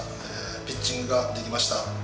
ピッチングができました。